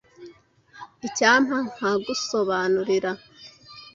Icyampa nkagusobanurira.